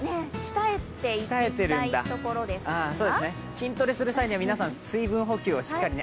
筋トレする際には水分補給をしっかりね。